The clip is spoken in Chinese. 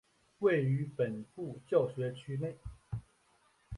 位于本部教学区内。